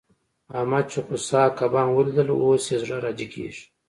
احمد چې خوسا کبان وليدل؛ اوس يې زړه را جيګېږي.